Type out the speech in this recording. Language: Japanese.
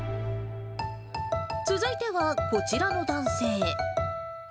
続いては、こちらの男性。